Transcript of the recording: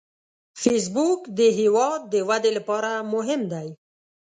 فېسبوک د هیواد د ودې لپاره مهم دی